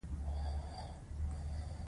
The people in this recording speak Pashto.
د قابلي پلو هيڅ مزه نه وه.